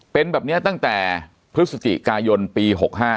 เป็นแบบนี้ตั้งแต่พฤศจิกายนปี๖๕